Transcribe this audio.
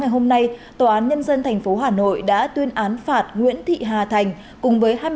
ngày hôm nay tòa án nhân dân thành phố hà nội đã tuyên án phạt nguyễn thị hà thành cùng với